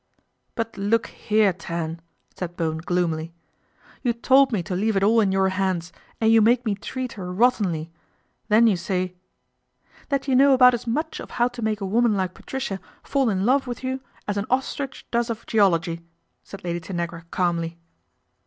" But look here, Tan," said Bowen gloomily, you told me to leave it all in your hands and you make me treat her rottenly, then you say " "That you know about as much of how to make a woman like Patricia fall in love with you as an ostricli does of geology," said Lady Tanagra calmly.